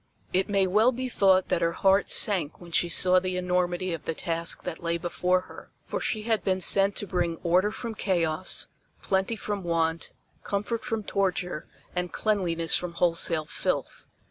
It may well be thought that her heart sank when she saw the enormity of the task that lay before her, for she had been sent to bring order from chaos, plenty from want, comfort from torture and cleanliness from wholesale filth.